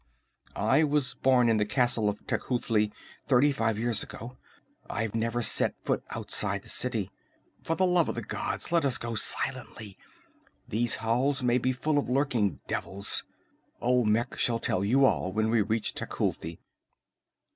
"I was born in the castle of Tecuhltli thirty five years ago. I have never set foot outside the city. For the love of the gods, let us go silently! These halls may be full of lurking devils. Olmec shall tell you all when we reach Tecuhltli."